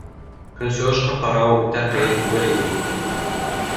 Көнсығышҡа ҡарауы үтә ҡыйын түгел ине инде.